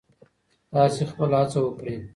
تاسې خپله هڅه وکړئ.